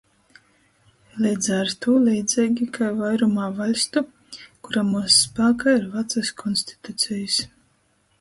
Leidza ar tū leidzeigi kai vairumā vaļstu, kuramuos spākā ir "vacys konstitucejis",